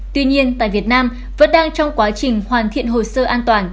tuy nhiên tại việt nam vẫn đang trong quá trình hoàn thiện hồ sơ an toàn